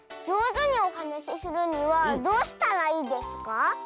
じょうずにおはなしするにはどうしたらいいですか？